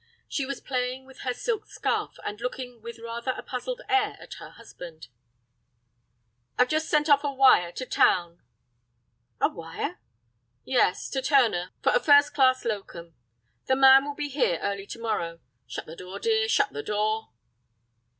She was playing with her silk scarf, and looking with rather a puzzled air at her husband. "I've just sent off a wire to town." "A wire?" "Yes, to Turner, for a first class locum. The man will be here early to morrow. Shut the door, dear—shut the door."